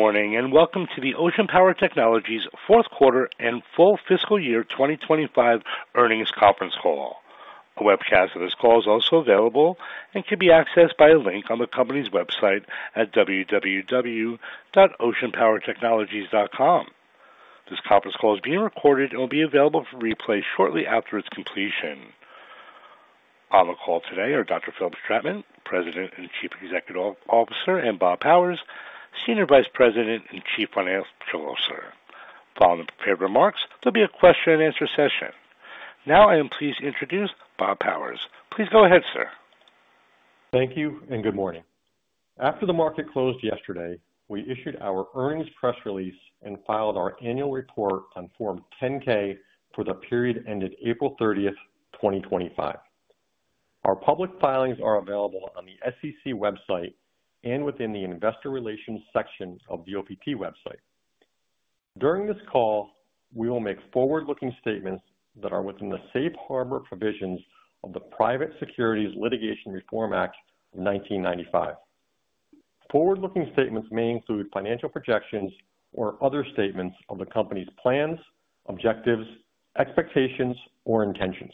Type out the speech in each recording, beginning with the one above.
Good morning and welcome to the Ocean Power Technologies fourth quarter and full fiscal year 2025 earnings conference call. A webcast of this call is also available and can be accessed by a link on the company's website at www.oceanpowertechnologies.com. This conference call is being recorded and will be available for replay shortly after its completion. On the call today are Dr. Philipp Stratmann, President and Chief Executive Officer, and Bob Powers, Senior Vice President and Chief Financial Officer. Following the prepared remarks, there will be a question and answer session. Now I am pleased to introduce Bob Powers. Please go ahead, sir. Thank you and good morning. After the market closed yesterday, we issued our earnings press release and filed our annual report on Form 10-K for the period ended April 30, 2025. Our public filings are available on the SEC website and within the Investor Relations section of the OPT website. During this call, we will make forward-looking statements that are within the safe harbor provisions of the Private Securities Litigation Reform Act of 1995. Forward-looking statements may include financial projections or other statements of the company's plans, objectives, expectations, or intentions.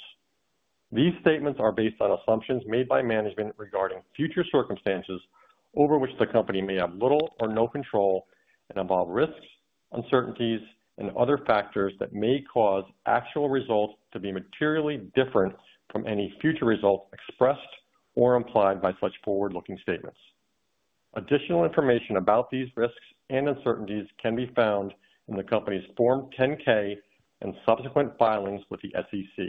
These statements are based on assumptions made by management regarding future circumstances over which the company may have little or no control and involve risks, uncertainties, and other factors that may cause actual results to be materially different from any future result expressed or implied by such forward-looking statements. Additional information about these risks and uncertainties can be found in the company's Form 10-K and subsequent filings with the SEC.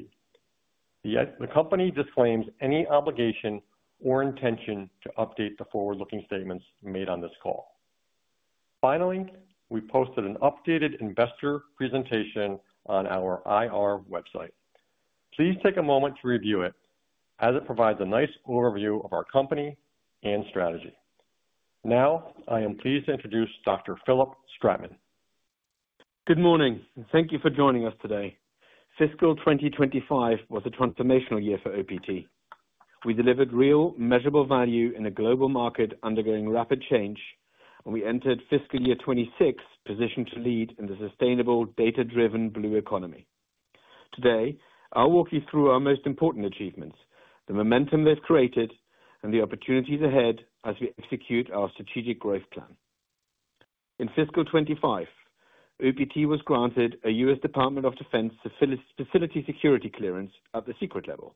The company disclaims any obligation or intention to update the forward-looking statements made on this call. Finally, we posted an updated investor presentation on our IR website. Please take a moment to review it, as it provides a nice overview of our company and strategy. Now, I am pleased to introduce Dr. Philipp Stratmann. Good morning and thank you for joining us today. Fiscal 2025 was a transformational year for OPT. We delivered real, measurable value in a global market undergoing rapid change, and we entered fiscal year 2026, positioned to lead in the sustainable, data-driven blue economy. Today, I'll walk you through our most important achievements, the momentum they've created, and the opportunities ahead as we execute our strategic growth plan. In fiscal 2025, OPT was granted a U.S. Department of Defense Facility Security Clearance at the secret level,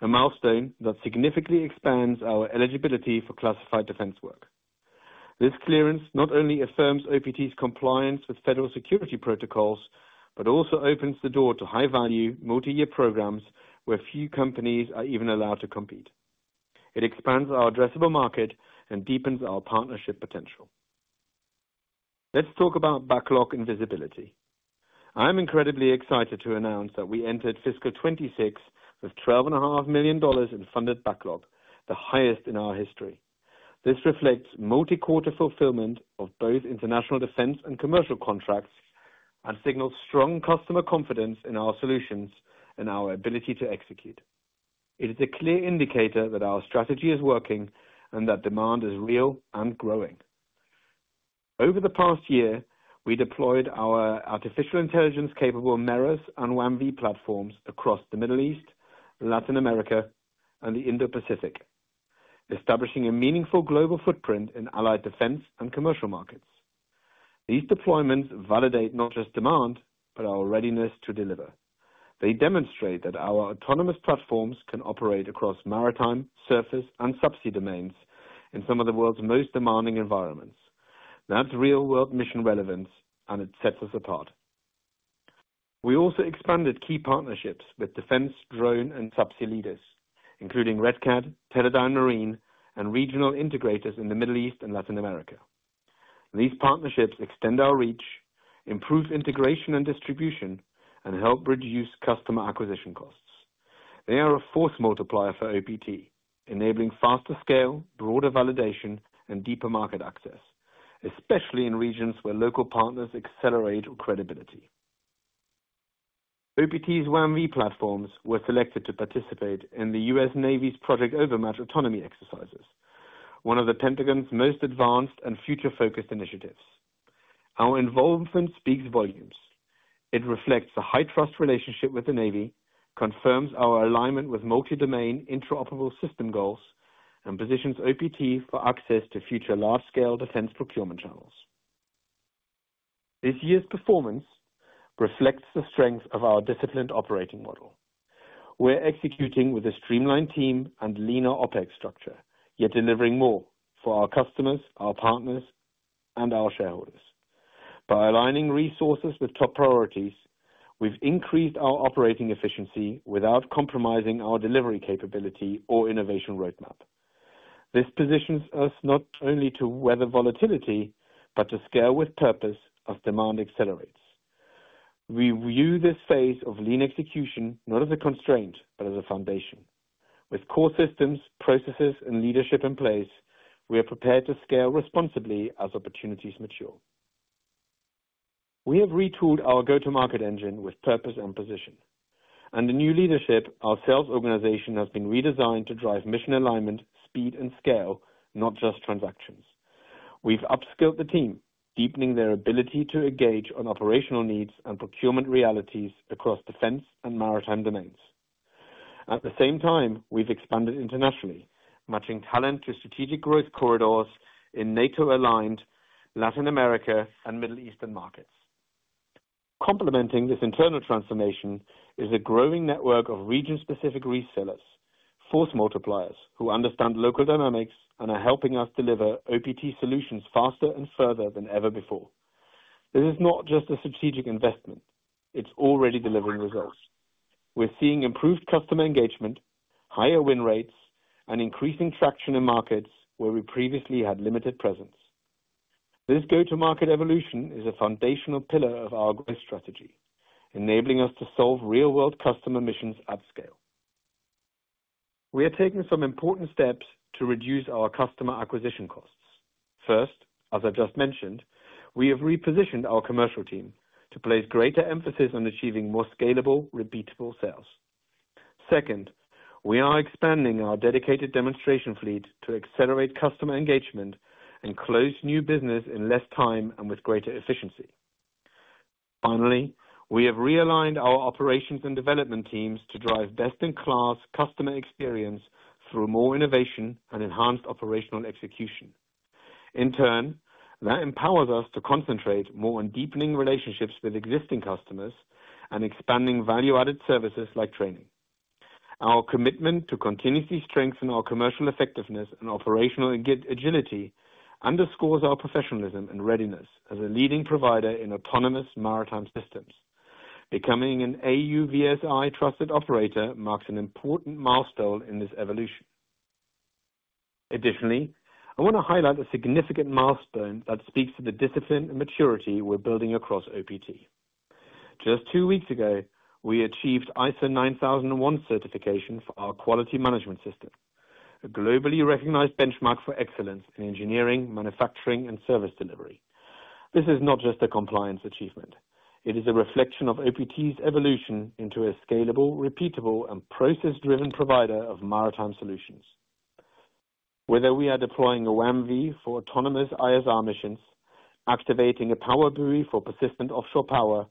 a milestone that significantly expands our eligibility for classified defense work. This clearance not only affirms OPT's compliance with federal security protocols, but also opens the door to high-value, multi-year programs where few companies are even allowed to compete. It expands our addressable market and deepens our partnership potential. Let's talk about backlog and visibility. I'm incredibly excited to announce that we entered fiscal 2026 with $12.5 million in funded backlog, the highest in our history. This reflects multi-quarter fulfillment of both international defense and commercial contracts and signals strong customer confidence in our solutions and our ability to execute. It is a clear indicator that our strategy is working and that demand is real and growing. Over the past year, we deployed our artificial intelligence-capable MEROSS and WAM-V platforms across the Middle East, Latin America, and the Indo-Pacific, establishing a meaningful global footprint in allied defense and commercial markets. These deployments validate not just demand, but our readiness to deliver. They demonstrate that our autonomous platforms can operate across maritime, surface, and subsea domains in some of the world's most demanding environments. That's real-world mission relevance, and it sets us apart. We also expanded key partnerships with defense drone and subsea leaders, including Red Cad, Teledyne Marine, and regional integrators in the Middle East and Latin America. These partnerships extend our reach, improve integration and distribution, and help reduce customer acquisition costs. They are a force multiplier for OPT, enabling faster scale, broader validation, and deeper market access, especially in regions where local partners accelerate credibility. OPT's WAM-V platforms were selected to participate in the U.S. Navy's Project Overmatch Autonomy exercises, one of the Pentagon's most advanced and future-focused initiatives. Our involvement speaks volumes. It reflects a high trust relationship with the U.S. Navy, confirms our alignment with multi-domain interoperable system goals, and positions OPT for access to future large-scale defense procurement channels. This year's performance reflects the strength of our disciplined operating model. We're executing with a streamlined team and leaner OpEx structure, yet delivering more for our customers, our partners, and our shareholders. By aligning resources with top priorities, we've increased our operating efficiency without compromising our delivery capability or innovation roadmap. This positions us not only to weather volatility, but to scale with purpose as demand accelerates. We view this phase of lean execution not as a constraint, but as a foundation. With core systems, processes, and leadership in place, we are prepared to scale responsibly as opportunities mature. We have retooled our go-to-market engine with purpose and position. Under new leadership, our sales organization has been redesigned to drive mission alignment, speed, and scale, not just transactions. We've upskilled the team, deepening their ability to engage on operational needs and procurement realities across defense and maritime domains. At the same time, we've expanded internationally, matching talent to strategic growth corridors in NATO-aligned, Latin America, and Middle East markets. Complementing this internal transformation is a growing network of region-specific resellers, force multipliers who understand local dynamics and are helping us deliver OPT solutions faster and further than ever before. This is not just a strategic investment; it's already delivering results. We're seeing improved customer engagement, higher win rates, and increasing traction in markets where we previously had limited presence. This go-to-market evolution is a foundational pillar of our growth strategy, enabling us to solve real-world customer missions at scale. We are taking some important steps to reduce our customer acquisition costs. First, as I just mentioned, we have repositioned our commercial team to place greater emphasis on achieving more scalable, repeatable sales. Second, we are expanding our dedicated demonstration fleet to accelerate customer engagement and close new business in less time and with greater efficiency. Finally, we have realigned our operations and development teams to drive best-in-class customer experience through more innovation and enhanced operational execution. In turn, that empowers us to concentrate more on deepening relationships with existing customers and expanding value-added services like training. Our commitment to continuously strengthen our commercial effectiveness and operational agility underscores our professionalism and readiness as a leading provider in autonomous maritime systems. Becoming an AUVSI Trusted Operator marks an important milestone in this evolution. Additionally, I want to highlight a significant milestone that speaks to the discipline and maturity we're building across OPT. Just two weeks ago, we achieved ISO 9001 certification for our quality management system, a globally recognized benchmark for excellence in engineering, manufacturing, and service delivery. This is not just a compliance achievement, it is a reflection of OPT's evolution into a scalable, repeatable, and process-driven provider of maritime solutions. Whether we are deploying a WAM-V for autonomous ISR missions, activating a PowerBuoy for persistent offshore power,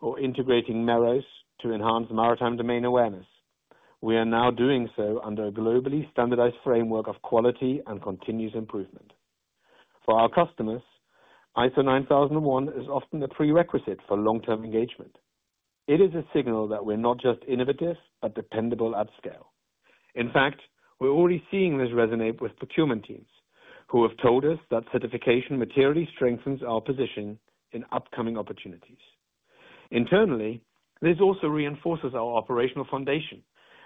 or integrating MEROSS to enhance maritime domain awareness, we are now doing so under a globally standardized framework of quality and continuous improvement. For our customers, ISO 9001 is often a prerequisite for long-term engagement. It is a signal that we're not just innovative, but dependable at scale. In fact, we're already seeing this resonate with procurement teams, who have told us that certification materially strengthens our position in upcoming opportunities. Internally, this also reinforces our operational foundation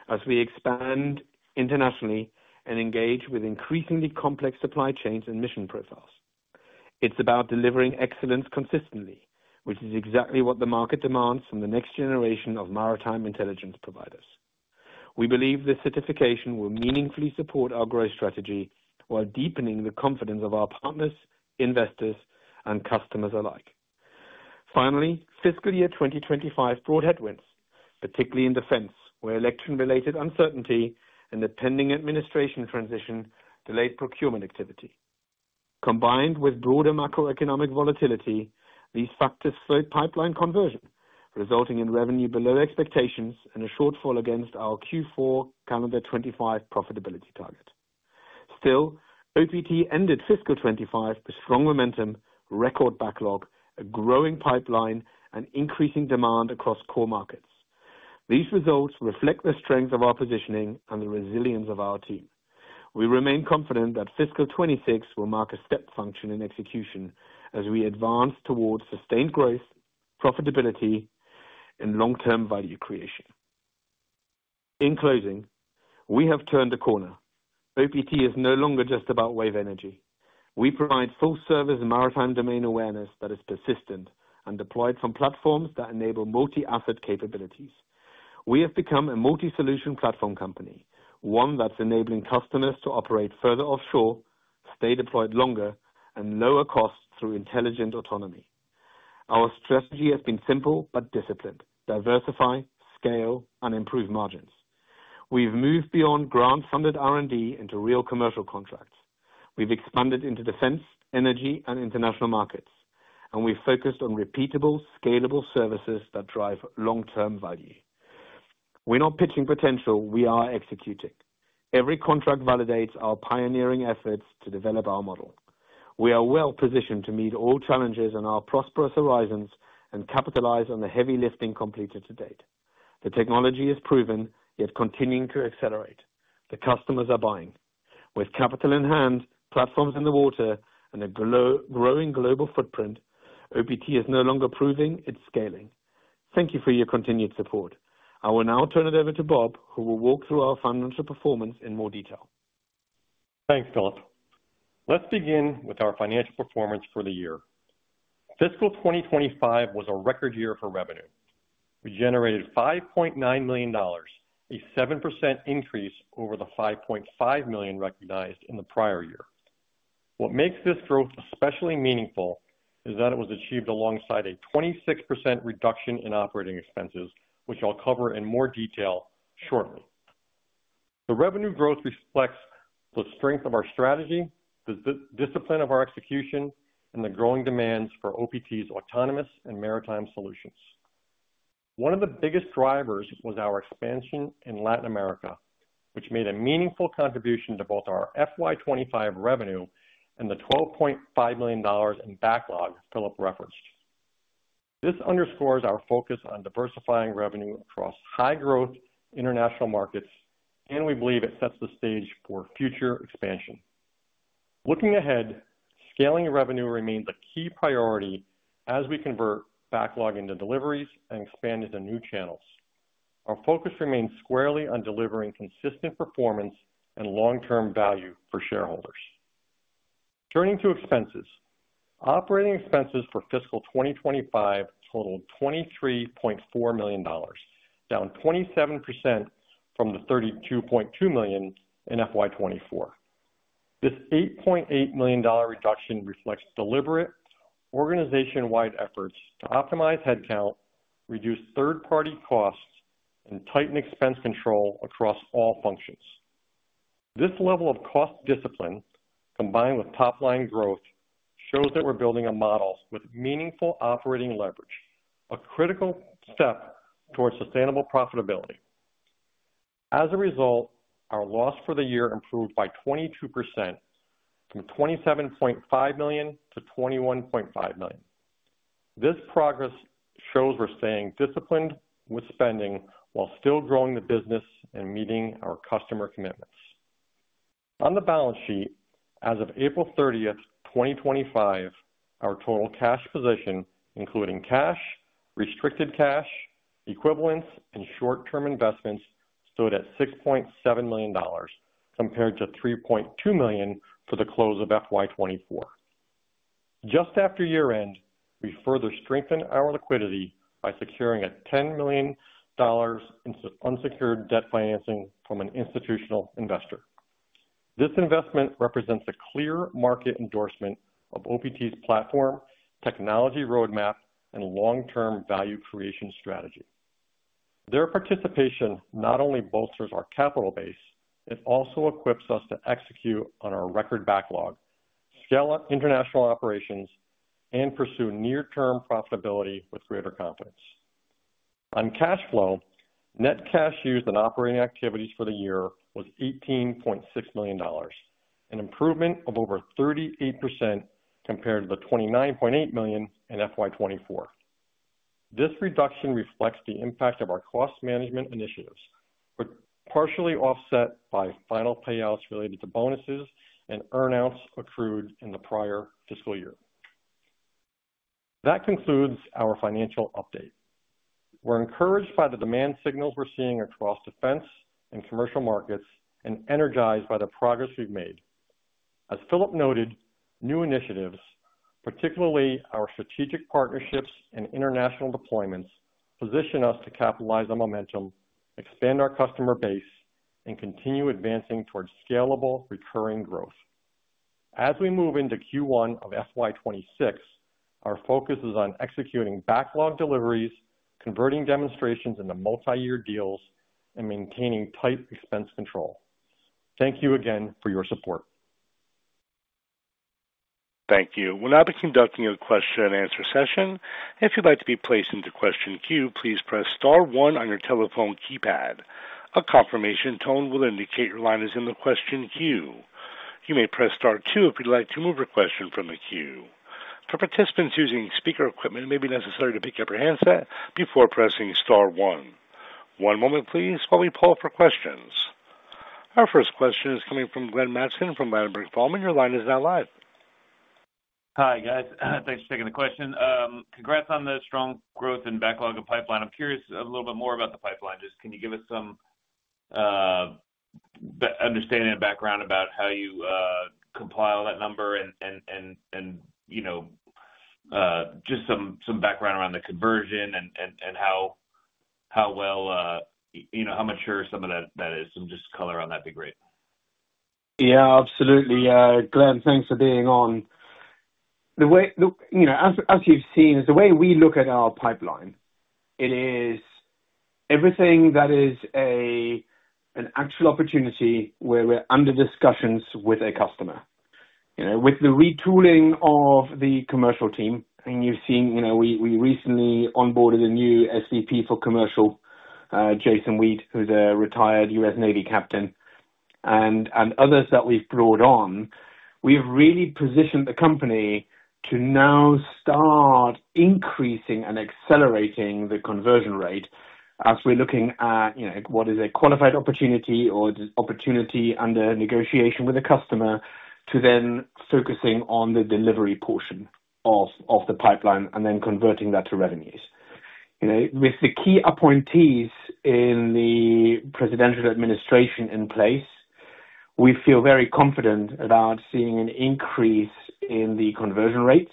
as we expand internationally and engage with increasingly complex supply chains and mission profiles. It's about delivering excellence consistently, which is exactly what the market demands from the next generation of maritime intelligence providers. We believe this certification will meaningfully support our growth strategy while deepening the confidence of our partners, investors, and customers alike. Finally, fiscal year 2025 brought headwinds, particularly in defense, where election-related uncertainty and the pending administration transition delayed procurement activity. Combined with broader macroeconomic volatility, these factors spurred pipeline conversion, resulting in revenue below expectations and a shortfall against our Q4 calendar 2025 profitability target. Still, OPT ended fiscal 2025 with strong momentum, record backlog, a growing pipeline, and increasing demand across core markets. These results reflect the strength of our positioning and the resilience of our team. We remain confident that fiscal 2026 will mark a step function in execution as we advance towards sustained growth, profitability, and long-term value creation. In closing, we have turned a corner. OPT is no longer just about wave energy. We provide full-service maritime domain awareness that is persistent and deployed from platforms that enable multi-asset capabilities. We have become a multi-solution platform company, one that's enabling customers to operate further offshore, stay deployed longer, and lower costs through intelligent autonomy. Our strategy has been simple but disciplined: diversify, scale, and improve margins. We've moved beyond grant-funded R&D into real commercial contracts. We've expanded into defense, energy, and international markets, and we've focused on repeatable, scalable services that drive long-term value. We're not pitching potential; we are executing. Every contract validates our pioneering efforts to develop our model. We are well positioned to meet all challenges on our prosperous horizons and capitalize on the heavy lifting completed to date. The technology is proven, yet continuing to accelerate. The customers are buying. With capital in hand, platforms in the water, and a growing global footprint, OPT is no longer proving; it's scaling. Thank you for your continued support. I will now turn it over to Bob, who will walk through our financial performance in more detail. Thanks, Philipp. Let's begin with our financial performance for the year. Fiscal 2025 was a record year for revenue. We generated $5.9 million, a 7% increase over the $5.5 million recognized in the prior year. What makes this growth especially meaningful is that it was achieved alongside a 26% reduction in operating expenses, which I'll cover in more detail shortly. The revenue growth reflects the strength of our strategy, the discipline of our execution, and the growing demands for OPT's autonomous and maritime solutions. One of the biggest drivers was our expansion in Latin America, which made a meaningful contribution to both our FY 2025 revenue and the $12.5 million in backlog Philipp referenced. This underscores our focus on diversifying revenue across high-growth international markets, and we believe it sets the stage for future expansion. Looking ahead, scaling revenue remains a key priority as we convert backlog into deliveries and expand into new channels. Our focus remains squarely on delivering consistent performance and long-term value for shareholders. Turning to expenses, operating expenses for fiscal 2025 totaled $23.4 million, down 27% from the $32.2 million in FY 2024. This $8.8 million reduction reflects deliberate organization-wide efforts to optimize headcount, reduce third-party costs, and tighten expense control across all functions. This level of cost discipline, combined with top-line growth, shows that we're building a model with meaningful operating leverage, a critical step towards sustainable profitability. As a result, our loss for the year improved by 22% from $27.5 million-$21.5 million. This progress shows we're staying disciplined with spending while still growing the business and meeting our customer commitments. On the balance sheet, as of April 30, 2025, our total cash position, including cash, restricted cash, equivalents, and short-term investments, stood at $6.7 million compared to $3.2 million for the close of FY 2024. Just after year-end, we further strengthened our liquidity by securing $10 million in unsecured debt financing from an institutional investor. This investment represents a clear market endorsement of OPT's platform, technology roadmap, and long-term value creation strategy. Their participation not only bolsters our capital base, it also equips us to execute on our record backlog, scale up international operations, and pursue near-term profitability with greater confidence. On cash flow, net cash used in operating activities for the year was $18.6 million, an improvement of over 38% compared to the $29.8 million in FY 2024. This reduction reflects the impact of our cost management initiatives, but partially offset by final payouts related to bonuses and earnouts accrued in the prior fiscal year. That concludes our financial update. We're encouraged by the demand signals we're seeing across defense and commercial markets and energized by the progress we've made. As Philipp noted, new initiatives, particularly our strategic partnerships and international deployments, position us to capitalize on momentum, expand our customer base, and continue advancing towards scalable, recurring growth. As we move into Q1 of FY 2026, our focus is on executing backlog deliveries, converting demonstrations into multi-year deals, and maintaining tight expense control. Thank you again for your support. Thank you. We'll now be conducting a question and answer session. If you'd like to be placed into the question queue, please press star one on your telephone keypad. A confirmation tone will indicate your line is in the question queue. You may press star two if you'd like to remove your question from the queue. For participants using speaker equipment, it may be necessary to pick up your handset before pressing star one. One moment, please, while we poll for questions. Our first question is coming from Glenn Mattson from Ladenburg Thalmann. Your line is now live. Hi, guys. Thanks for taking the question. Congrats on the strong growth in backlog and pipeline. I'm curious a little bit more about the pipeline. Can you give us some understanding and background about how you compile that number and just some background around the conversion and how well, you know, how mature some of that is? Some just color around that'd be great. Yeah, absolutely. Glenn, thanks for being on. The way, you know, as you've seen, is the way we look at our pipeline. It is everything that is an actual opportunity where we're under discussions with a customer. With the retooling of the commercial team, and you've seen, you know, we recently onboarded a new SVP for Commercial, Jason Wheat, who's a retired U.S. Navy captain, and others that we've brought on. We've really positioned the company to now start increasing and accelerating the conversion rate as we're looking at, you know, what is a qualified opportunity or opportunity under negotiation with a customer to then focusing on the delivery portion of the pipeline and then converting that to revenues. With the key appointees in the presidential administration in place, we feel very confident about seeing an increase in the conversion rates.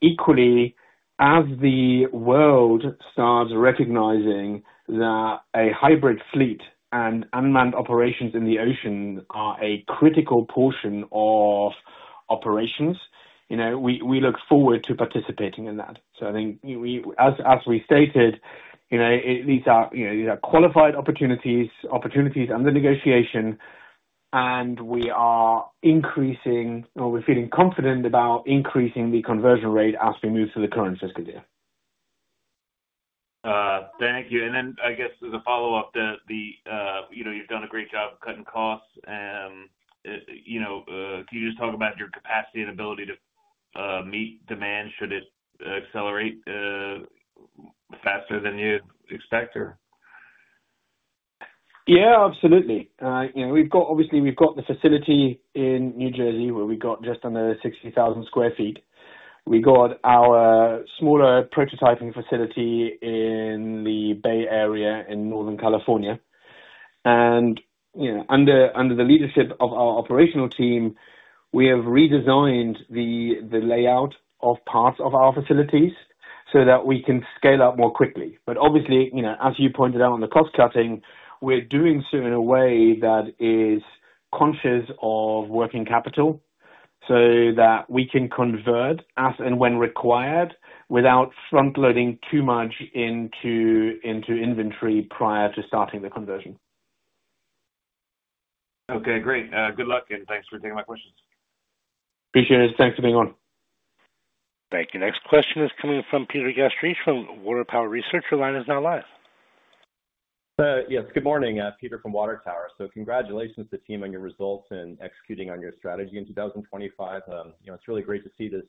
Equally, as the world starts recognizing that a hybrid fleet and unmanned operations in the ocean are a critical portion of operations, we look forward to participating in that. I think, as we stated, these are qualified opportunities, opportunities under negotiation, and we are increasing, or we're feeling confident about increasing the conversion rate as we move to the current fiscal year. Thank you. I guess as a follow-up, you've done a great job of cutting costs. Can you just talk about your capacity and ability to meet demand should it accelerate faster than you expect? Yeah, absolutely. You know, we've got, obviously, we've got the facility in New Jersey where we've got just under 60,000 square feet. We've got our smaller prototyping facility in the Bay Area in Northern California. You know, under the leadership of our operational team, we have redesigned the layout of parts of our facilities so that we can scale up more quickly. Obviously, as you pointed out on the cost cutting, we're doing so in a way that is conscious of working capital so that we can convert as and when required without front-loading too much into inventory prior to starting the conversion. Okay, great. Good luck, and thanks for taking my questions. Appreciate it. Thanks for being on. Thank you. Next question is coming from Peter Gastreich from Water Tower Research. Your line is now live. Yes, good morning, Peter from Water Tower. Congratulations to the team on your results in executing on your strategy in 2025. It's really great to see this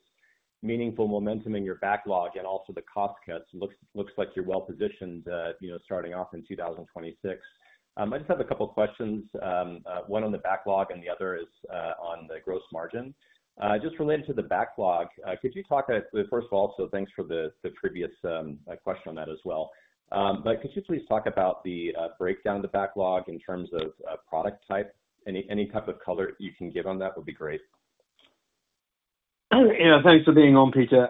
meaningful momentum in your backlog and also the cost cuts. It looks like you're well-positioned, starting off in 2026. I just have a couple of questions. One on the backlog and the other is on the gross margin. Just related to the backlog, could you talk, first of all, thanks for the previous question on that as well. Could you please talk about the breakdown of the backlog in terms of product type? Any type of color you can give on that would be great. Thanks for being on, Peter.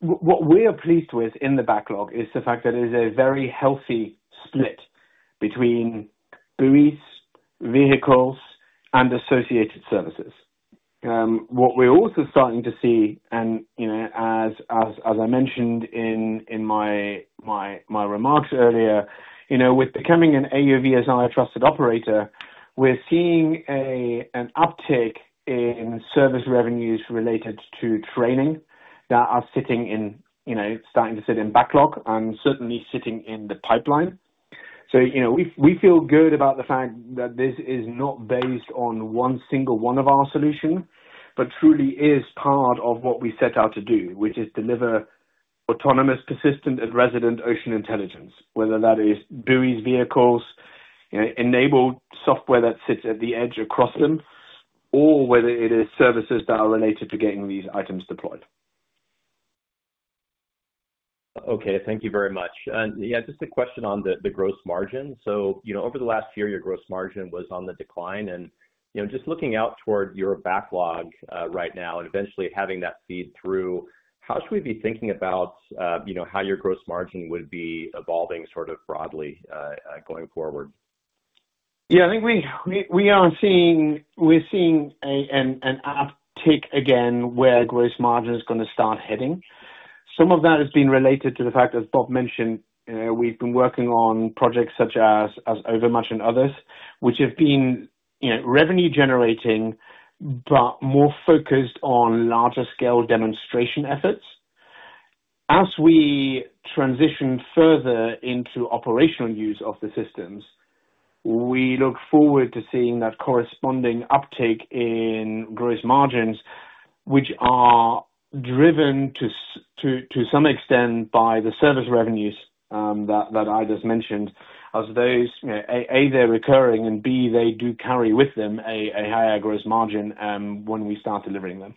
What we are pleased with in the backlog is the fact that it is a very healthy split between buoys, vehicles, and associated services. What we're also starting to see, as I mentioned in my remarks earlier, with becoming an AUVSI Trusted Operator, we're seeing an uptick in service revenues related to training that are starting to sit in backlog and certainly sitting in the pipeline. We feel good about the fact that this is not based on one single one of our solutions, but truly is part of what we set out to do, which is deliver autonomous, persistent, and resident ocean intelligence, whether that is buoys, vehicles, enabled software that sits at the edge across them, or whether it is services that are related to getting these items deployed. Okay, thank you very much. Just a question on the gross margin. Over the last year, your gross margin was on the decline. Just looking out toward your backlog right now and eventually having that feed through, how should we be thinking about how your gross margin would be evolving sort of broadly going forward? Yeah, I think we are seeing, we're seeing an uptick again where gross margin is going to start hitting. Some of that has been related to the fact that, as Bob mentioned, you know, we've been working on projects such as Project Overmatch Autonomy exercises and others, which have been, you know, revenue-generating but more focused on larger-scale demonstration efforts. As we transition further into operational use of the systems, we look forward to seeing that corresponding uptick in gross margins, which are driven to some extent by the service revenues that I just mentioned, as those, you know, A, they're recurring and B, they do carry with them a higher gross margin when we start delivering them.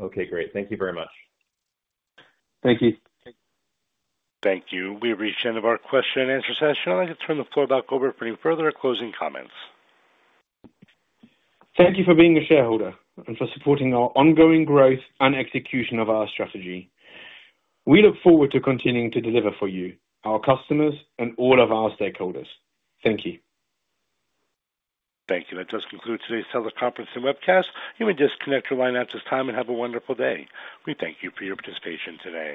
Okay, great. Thank you very much. Thank you. Thank you. We've reached the end of our question and answer session. I'd like to turn the floor back over for any further closing comments. Thank you for being a shareholder and for supporting our ongoing growth and execution of our strategy. We look forward to continuing to deliver for you, our customers, and all of our stakeholders. Thank you. Thank you. That does conclude today's seller conference and webcast. You may disconnect from line at this time and have a wonderful day. We thank you for your participation today.